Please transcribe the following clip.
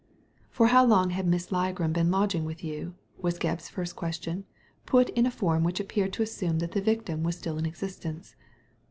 ''For how long has Miss Ligram been lodging with you ?" was Gebb's first question, put in a form which appeared to assume that the victim was still in existence.